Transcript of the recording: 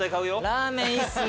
ラーメンいいっすね。